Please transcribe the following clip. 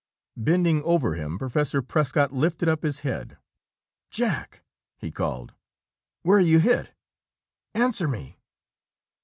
Bending over him, Professor Prescott lifted up his head. "Jack!" he called. "Where are you hit? Answer me!"